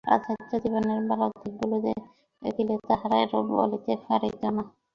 পাশ্চাত্য জীবনের ভাল দিকগুলি দেখিলে তাহারা এরূপ বলিতে পারিত না।